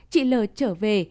chị l trở về